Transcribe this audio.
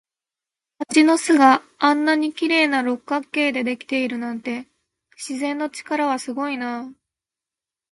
蜂の巣があんなに綺麗な六角形でできているなんて、自然の力はすごいなあ。